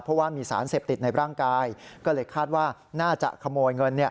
เพราะว่ามีสารเสพติดในร่างกายก็เลยคาดว่าน่าจะขโมยเงิน